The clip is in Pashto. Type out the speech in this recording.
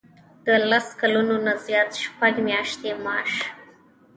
د لس کلونو نه زیات شپږ میاشتې معاش.